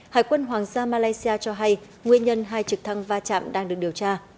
hải quân hoàng gia malaysia cho hay nguyên nhân hai trực thăng va chạm đang được điều tra